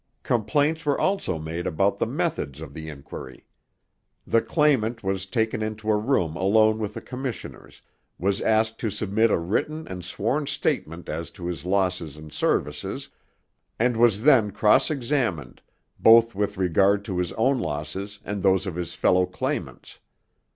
Complaints were also made about the methods of the inquiry. The claimant was taken into a room alone with the commissioners, was asked to submit a written and sworn statement as to his losses and services, and was then cross examined both with regard to his own losses and those of his fellow claimants.